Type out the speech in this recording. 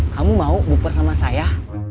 kamu mau buper sama saya